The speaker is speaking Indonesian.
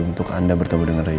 untuk anda bertemu dengan roy